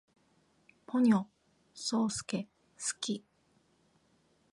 ポニョ，そーすけ，好き